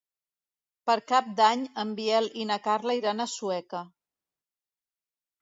Per Cap d'Any en Biel i na Carla iran a Sueca.